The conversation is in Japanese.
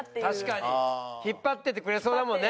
引っ張っていってくれそうだもんね。